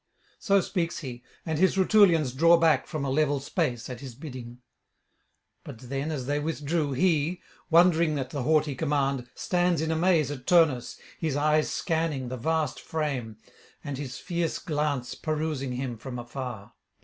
So speaks he, and his Rutulians draw back from a level space at his bidding. But then as they withdrew, he, wondering at the haughty command, stands in amaze at Turnus, his eyes scanning the vast frame, and his fierce glance perusing him from afar.